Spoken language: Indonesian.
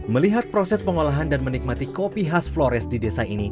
melihat proses pengolahan dan menikmati kopi khas flores di desa ini